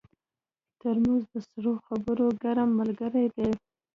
ترموز د سړو خبرو ګرم ملګری دی.